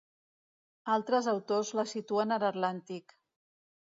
Altres autors la situen a l'Atlàntic.